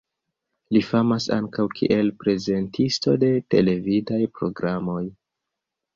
Li famas ankaŭ kiel prezentisto de televidaj programoj.